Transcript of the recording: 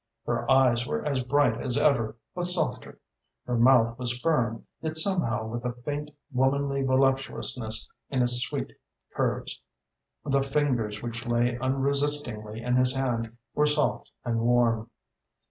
Her eyes were as bright as ever, but softer. Her mouth was firm, yet somehow with a faint, womanly voluptuousness in its sweet curves. The fingers which lay unresistingly in his hand were soft and warm.